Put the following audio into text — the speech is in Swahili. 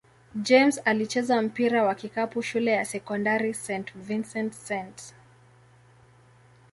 James alicheza mpira wa kikapu shule ya sekondari St. Vincent-St.